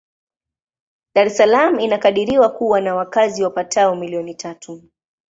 Dar es Salaam inakadiriwa kuwa na wakazi wapatao milioni tatu.